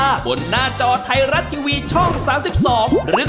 อันไหนถูกที่สุด